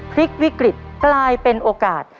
พลิกวิกฤตกลายเป็นโอกาส